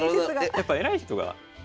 やっぱ偉い人が。